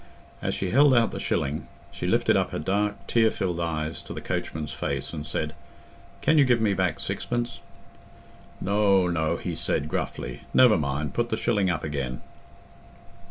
As she held out the shilling, she lifted up her dark tear filled eyes to the coachman's face and said, "Can you give me back sixpence?" "No, no," he said, gruffly, "never mind—put the shilling up again."